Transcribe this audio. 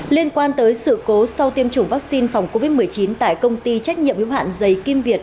liên quan tới sự cố sau tiêm chủng vaccine phòng covid một mươi chín tại công ty trách nhiệm yếu hạn giấy kim việt